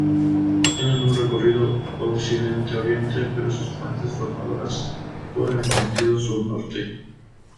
Tiene un recorrido occidente-oriente, pero sus fuentes formadoras corren en sentido sur-norte.